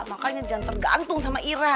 makanya jangan tergantung sama ira